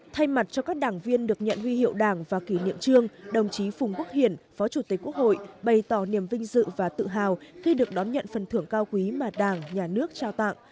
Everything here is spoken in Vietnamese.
thay mặt cho các đảng viên được nhận huy hiệu đảng và kỷ niệm trương đồng chí phùng quốc hiển phó chủ tịch quốc hội bày tỏ niềm vinh dự và tự hào khi được đón nhận phần thưởng cao quý mà đảng nhà nước trao tặng